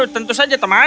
tentu saja teman